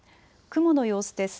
雲の様子です。